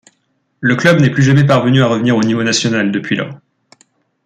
Le club n'est plus jamais parvenu à revenir au niveau national depuis lors.